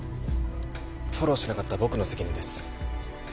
フォローしなかった僕の責任です。